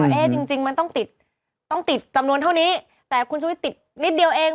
เอ๊ะจริงจริงมันต้องติดต้องติดจำนวนเท่านี้แต่คุณชุวิตติดนิดเดียวเอง